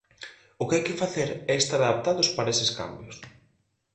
O que hai que facer é estar adaptados para eses cambios.